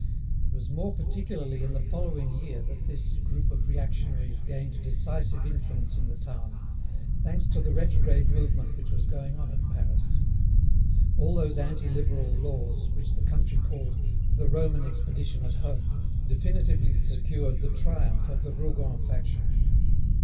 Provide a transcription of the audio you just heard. It was more particularly in the following year that this group of reactionaries gained decisive influence in the town, thanks to the retrograde movement which was going on at Paris. All those anti Liberal laws which the country called "the Roman expedition at home" definitively secured the triumph of the Rougon faction.